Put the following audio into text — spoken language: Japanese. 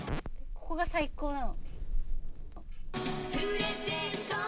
ここが最高なの。